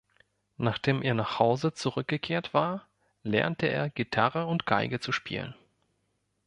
Nachdem er nach Hause zurückgekehrt war, lernte er Gitarre und Geige zu spielen.